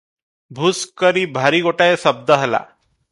ଭୁଷ୍ କରି ଭାରି ଗୋଟାଏ ଶବ୍ଦ ହେଲା ।